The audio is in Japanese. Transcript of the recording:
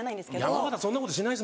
山形そんなことしない。